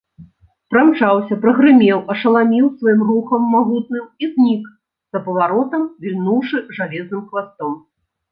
Прамчаўся, прагрымеў, ашаламіў сваім рухам магутным і знік за паваротам, вільнуўшы жалезным хвастом.